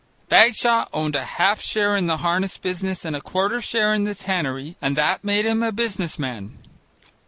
Bagshaw owned a half share in the harness business and a quarter share in the tannery and that made him a business man.